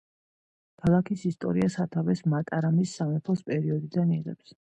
ქალაქის ისტორია სათავეს მატარამის სამეფოს პერიოდიდან იღებს.